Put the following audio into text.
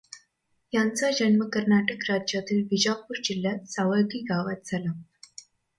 यांचा जन्म कर्नाटक राज्यातील विजापुर जिल्ह्यात सावळगी गावात झाला.